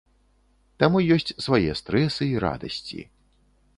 Таму ёсць свае стрэсы, і радасці.